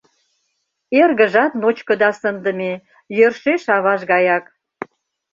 Эргыжат ночко да сындыме — йӧршеш аваж гаяк!